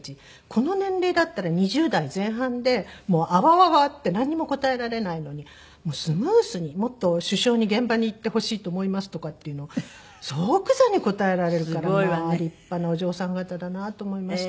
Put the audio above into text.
この年齢だったら２０代前半でもうあわわわってなんにも答えられないのにもうスムーズに「もっと首相に現場に行ってほしいと思います」とかっていうのを即座に答えられるからまあ立派なお嬢さん方だなと思いまして。